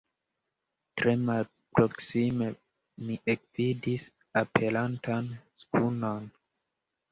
Tre malproksime mi ekvidis aperantan skunon.